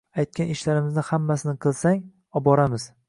Aytgan ishlarimizni hammasini qilsang, oboramiz.